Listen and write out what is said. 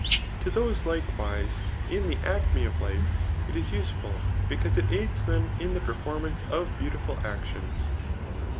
To those likewise in the acme of life it is useful, because it aids them m the performance of beautiful actions.